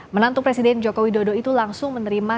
menantu presiden jokowi dodo itu langsung menerima